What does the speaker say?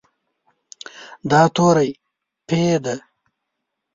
دا توری "پ" دی.